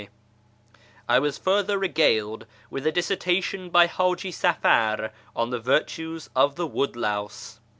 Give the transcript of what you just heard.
I I was further regaled with a dissertation by Haji Safar on the virtues of the wood louse.